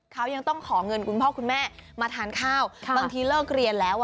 เค้ายังต้องขอเงินหัวคุณพ่อคุณแม่